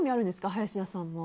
林田さんも。